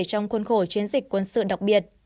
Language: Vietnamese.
trong khuôn khổ chiến dịch quân sự đặc biệt